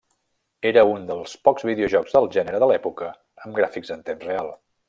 Era un dels pocs videojocs del gènere de l'època amb gràfics en temps real.